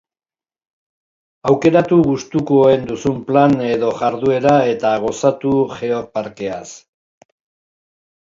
Aukeratu gustukoen duzun plan edo jarduera eta gozatu Geoparkeaz.